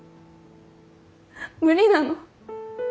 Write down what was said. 無理なの。